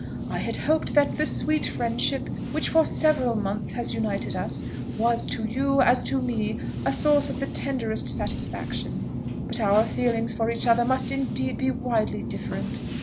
I had hoped that the sweet friendship which for several months past has united us, was to you, as to me, a source of the tenderest satisfaction. But our feelings for each other must indeed be widely different.